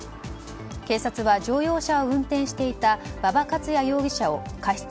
警察は乗用車を運転していた馬場克弥容疑者を過失